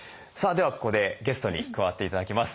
ではここでゲストに加わって頂きます。